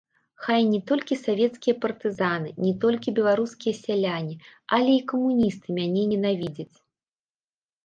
Хай не толькі савецкія партызаны, не толькі беларускія сяляне, але і камуністы мяне ненавідзяць!